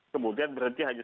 kemudian berhenti hanya